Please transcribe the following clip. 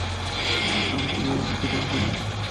Autovía Piedrabuena